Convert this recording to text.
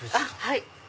はい。